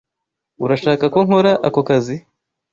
Urashaka ko nkora ako kazi?